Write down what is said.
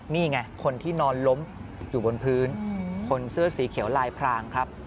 นี่ไงคนที่นอนล้มอยู่บนพื้นคนเสื้อสีเขียวลายพรางครับ